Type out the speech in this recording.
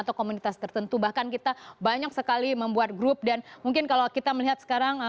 atau komunitas tertentu bahkan kita banyak sekali membuat grup dan mungkin kalau kita melihat sekarang